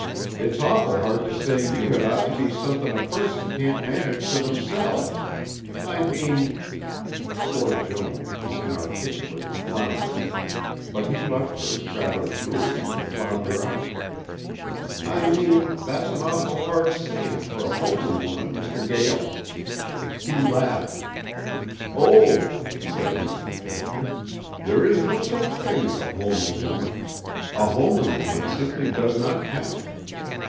It's awful hard to say you had ought to be somethin' a person can't manage for themselves. I mean " poor Joan, the inarticulate, floundered, but he left her, rather cruelly, to flounder out. "I mean, that's an awful hard sayin' fer a homely woman, Mr. Gael." He laughed. "Oh," said he with a gesture, "there is no such thing as a homely woman. A homely woman simply does not count."